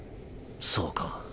そうか。